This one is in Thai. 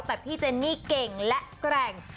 แต่พี่เจนนี่เก่งและแกร่ง